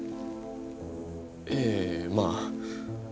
ええまあ。